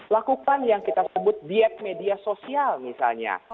lakukan yang kita sebut diet media sosial misalnya